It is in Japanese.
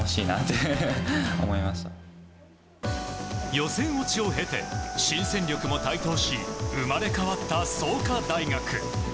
予選落ちを経て新戦力も台頭し生まれ変わった創価大学。